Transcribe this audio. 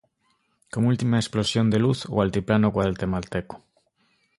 Como última explosión de luz, o altiplano guatemalteco.